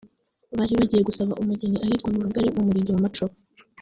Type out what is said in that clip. Bari bagiye gusaba umugeni ahitwa mu rugari mu murenge wa Macuba